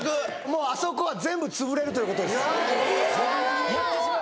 もうあそこは全部潰れるということですうわうわ